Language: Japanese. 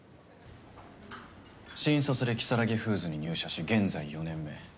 新卒できさらぎフーズに入社し現在４年目。